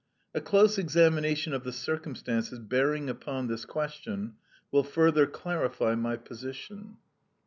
A close examination of the circumstances bearing upon this question will further clarify my position.